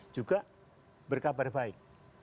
juga berkabar baik